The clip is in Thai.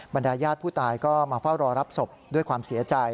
ดายญาติผู้ตายก็มาเฝ้ารอรับศพด้วยความเสียใจ